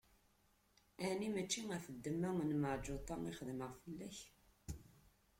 Ɛni mačči ɣef ddemma n Meɛǧuṭa i xedmeɣ fell-ak?